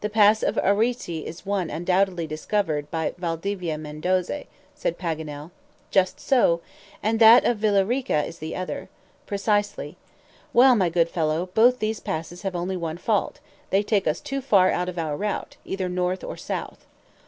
"The pass of Arica is one undoubtedly discovered by Valdivia Mendoze," said Paganel. "Just so." "And that of Villarica is the other." "Precisely." "Well, my good fellow, both these passes have only one fault; they take us too far out of our route, either north or south."